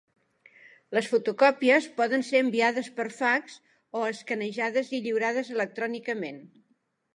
Les fotocòpies poden ser enviades per fax, o escanejades i lliurades electrònicament.